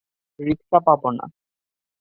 রিকশা পাবো না।